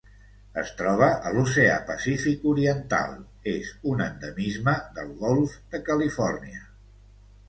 Es troba a l'Oceà Pacífic oriental: és un endemisme del Golf de Califòrnia.